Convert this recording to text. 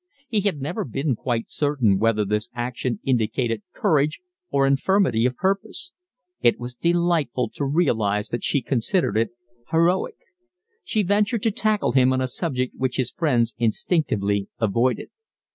He had never been quite certain whether this action indicated courage or infirmity of purpose. It was delightful to realise that she considered it heroic. She ventured to tackle him on a subject which his friends instinctively avoided.